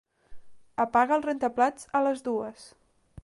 Apaga el rentaplats a les dues.